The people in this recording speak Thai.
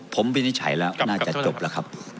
ผมวินิจฉัยแล้วน่าจะจบแล้วครับ